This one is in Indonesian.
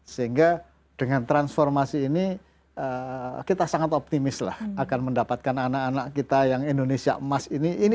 sehingga dengan transformasi ini kita sangat optimis lah akan mendapatkan anak anak kita yang indonesia emas ini